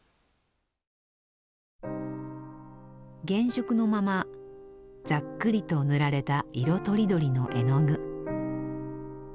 原色のままざっくりと塗られた色とりどりの絵の具。